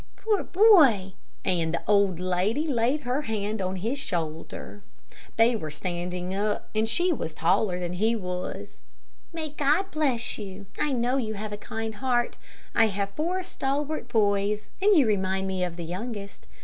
"Poor boy!" and the old lady laid her hand on his shoulder. They were standing up, and she was taller than he was. "May God bless you. I know you have a kind heart. I have four stalwart boys, and you remind me of the youngest.